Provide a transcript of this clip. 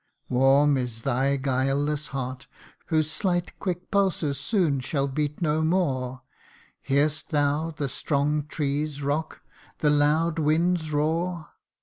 ' Warm is thy guileless heart, Whose slight quick pulses soon shall beat no more : Hear'st thou the strong trees rock ? the loud winds roar